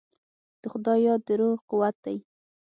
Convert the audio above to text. د خدای یاد د روح قوت دی.